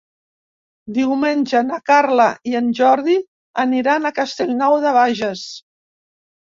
Diumenge na Carla i en Jordi aniran a Castellnou de Bages.